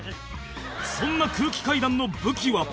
そんな空気階段の武器は